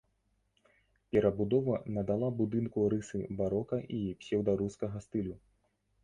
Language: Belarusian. Перабудова надала будынку рысы барока і псеўдарускага стылю.